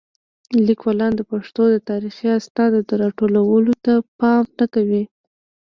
لیکوالان د پښتو د تاریخي اسنادو د راټولولو ته پام نه کوي.